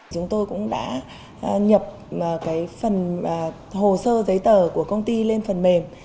chúng tôi cũng đã nhập phần hồ sơ giấy tờ của công ty lên phần mềm